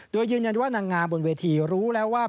โดยยืนยันว่านางงามบนเวทีรู้แล้วว่า